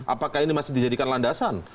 apakah ini masih dijadikan landasan